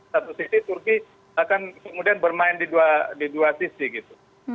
satu sisi turki akan kemudian bermain di dua sisi gitu